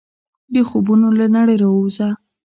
د خوبونو له نړۍ راووځه !